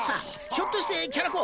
ひょっとしてキャラ公